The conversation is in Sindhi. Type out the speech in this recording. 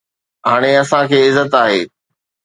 هاڻي اسان کي عزت آهي